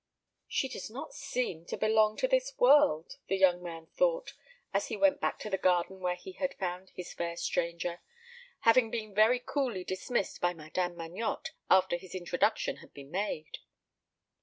"She does not seem to belong to this world," the young man thought, as he went back to the garden where he had found his fair stranger, having been very coolly dismissed by Madame Magnotte after his introduction had been made.